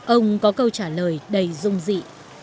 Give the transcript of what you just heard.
ông có câu trả lời đầy rung dị